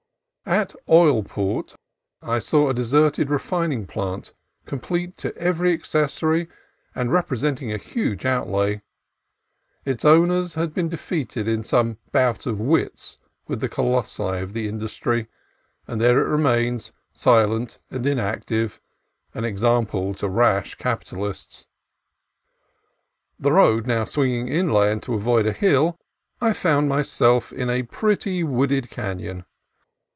At Oilport I saw a deserted refining plant, complete to every accessory, and representing a huge outlay. Its owners had been defeated in some bout of wits with the colossi of the industry, and there it remains, silent and inactive, an example to rash capitalists. The road now swinging inland to avoid a hill, I found myself in a pretty, wooded canon.